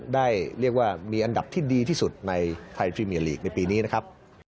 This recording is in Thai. เรียกว่ามีอันดับที่ดีที่สุดในไทยพรีเมียลีกในปีนี้นะครับ